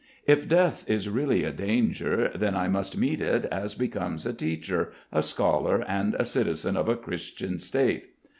If death is really a danger then I must meet it as becomes a teacher, a scholar, and a citizen of a Christian State.